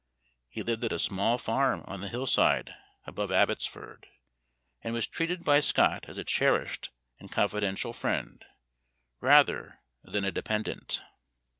He lived at a small farm on the hillside above Abbotsford, and was treated by Scott as a cherished and confidential friend, rather than a dependent.